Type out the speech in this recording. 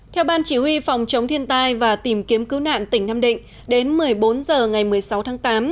theo ban chỉ huy phòng chống thiên tai và tìm kiếm cứu nạn tỉnh nam định đến một mươi bốn h ngày một mươi sáu tháng tám